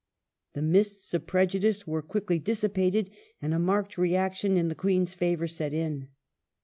The mists of prejudices were quickly dissipated, and a marked reaction in the Queen's favour set in.